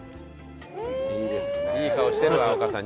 いい顔してるわ丘さん。